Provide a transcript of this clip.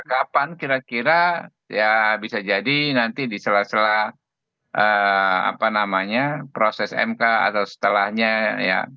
kapan kira kira ya bisa jadi nanti di sela sela apa namanya proses mk atau setelahnya ya